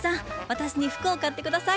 私に服を買って下さい。